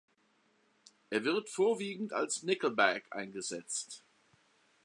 Er wird vorwiegend als Nickelback eingesetzt.